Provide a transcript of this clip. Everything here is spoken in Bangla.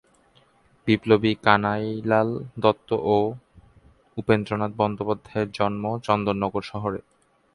বিপ্লবী কানাইলাল দত্ত ও উপেন্দ্রনাথ বন্দ্যোপাধ্যায়ের জন্ম চন্দননগর শহরে।